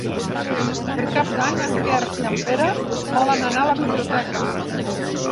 Per Cap d'Any en Quer i en Pere volen anar a la biblioteca.